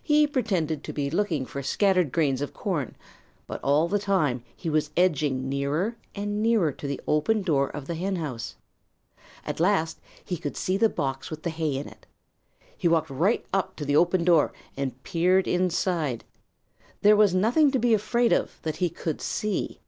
He pretended to be looking for scattered grains of corn, but all the time he was edging nearer and nearer to the open door of the henhouse. At last he could see the box with the hay in it. He walked right up to the open door and peered inside. There was nothing to be afraid of that he could see.